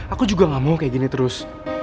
aku juga gak mau kayak gini terus